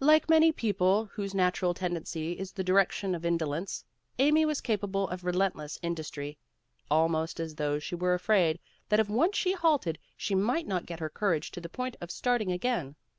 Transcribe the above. Like many people whose natural tendency is in the direction of indolence, Amy was capable of relentless industry, almost as though she were afraid that if once she halted she might not get her courage to the point of starting again.